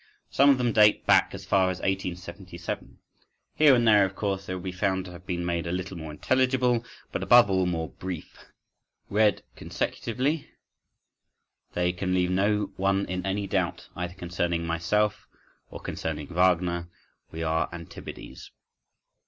Some of them date back as far as 1877. Here and there, of course, they will be found to have been made a little more intelligible, but above all, more brief. Read consecutively, they can leave no one in any doubt, either concerning myself, or concerning Wagner: we are antipodes.